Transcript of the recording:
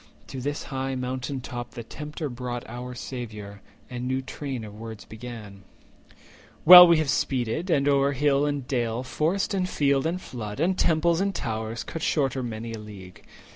To this high mountain top the Tempter brought Our Saviour, and new train of words began:— "Well have we speeded, and o'er hill and dale, Forest, and field, and flood, temples and towers, Cut shorter many a league.